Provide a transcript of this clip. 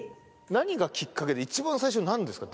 何がきっかけで一番最初なんですか？